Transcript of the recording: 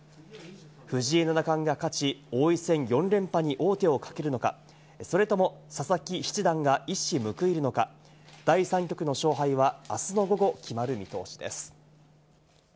藤井七冠が勝ち、王位戦４連覇に王手をかけるのか、それとも佐々木七段が一矢報いるのか、第３局の勝敗はあすの午後、決まる見通しです。